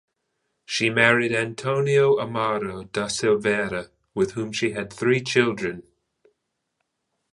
She married Antonio Amaro da Silveira with whom she had three children.